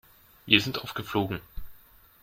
Wir sind aufgeflogen.